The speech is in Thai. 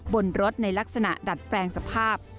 บนรถในลักษณะดัดแปลงสภาพ